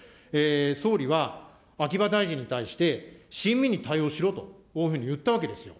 総理は、秋葉大臣に対して、親身に対応しろと、こういうふうに言ったわけですよ。